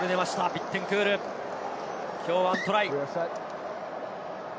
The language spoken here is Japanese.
ビッテンクール、今日１トライ。